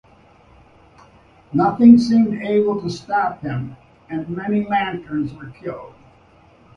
Nothing seemed able to stop him, and many Lanterns were killed.